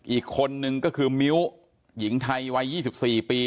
อีกคนนึงก็คือมิ้วหญิงไทยวัย๒๔ปี